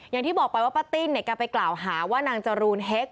อย่างที่บอกไปว่าป้าติ้นเนี่ยแกไปกล่าวหาว่านางจรูนเฮ็ก